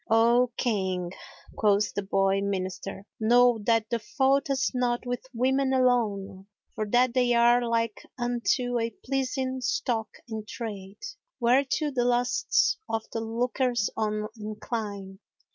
"O King," quoth the boy minister, "Know that the fault is not with women alone, for that they are like unto a pleasing stock in trade, whereto the lusts of the lookers on incline.